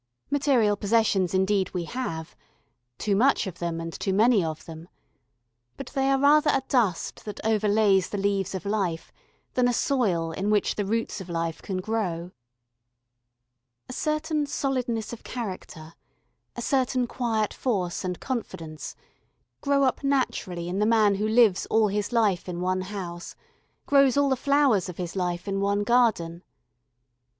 Material possessions indeed we have too much of them and too many of them but they are rather a dust that overlays the leaves of life than a soil in which the roots of life can grow. A certain solidness of character, a certain quiet force and confidence grow up naturally in the man who lives all his life in one house, grows all the flowers of his life in one garden.